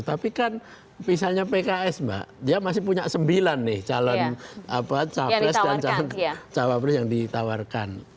tapi kan misalnya pks mbak dia masih punya sembilan nih calon apa yang ditawarkan